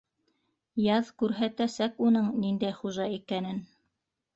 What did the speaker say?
Яҙ күрһәтәсәк уның ниндәй хужа икәнен.